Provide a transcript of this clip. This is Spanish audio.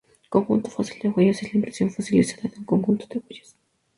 Un conjunto fósil de huellas es la impresión fosilizada de un conjunto de huellas.